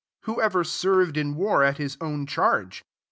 7 Who ever serveth in iWB at his own charge